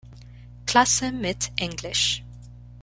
Klasse mit Englisch.